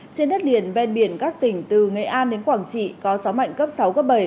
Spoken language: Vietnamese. trên đất liền ven biển các tỉnh từ nghệ an đến quảng trị có gió mạnh cấp sáu cấp bảy